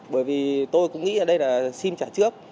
bởi vì tôi cũng nghĩ ở đây là xin trả trước